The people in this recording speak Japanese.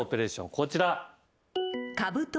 こちら。